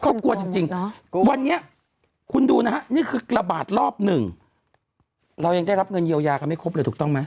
กลัวจริงวันนี้คุณดูนะฮะนี่คือระบาดรอบหนึ่งเรายังได้รับเงินเยียวยากันไม่ครบเลยถูกต้องไหม